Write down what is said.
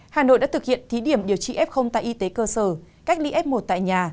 hà nội đã thực hiện thí điểm điều trị f tại y tế cơ sở cách ly f một tại nhà